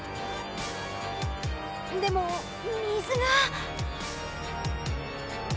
でも水が。